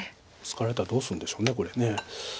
ツカれたらどうするんでしょうこれ。